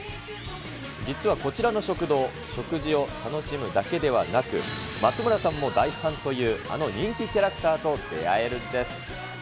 実はこちらの食堂、食事を楽しむだけではなく、松村さんも大ファンというあの人気キャラクターと出会えるんです。